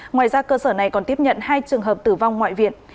ngoài ra cơ sở này còn tiếp nhận hai trường hợp tử vong ngoại viện